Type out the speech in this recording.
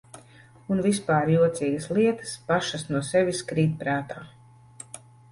Un vispār jocīgas lietas pašas no sevis krīt prātā.